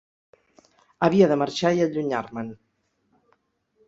Havia de marxar i allunyar-me'n.